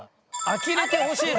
「あきれてほしい」。